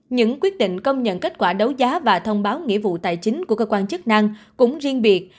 những quyết định công nhận kết quả đấu giá và thông báo nghĩa vụ tài chính của cơ quan chức năng cũng riêng biệt